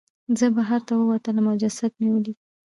زه بهر ته ووتلم او جسد مې ولید.